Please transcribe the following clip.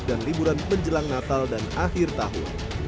dan liburan menjelang natal dan akhir tahun